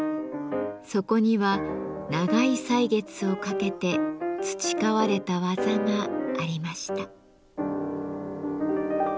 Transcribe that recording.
そこには長い歳月をかけて培われた技がありました。